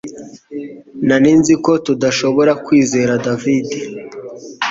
Nari nzi ko tudashobora kwizera David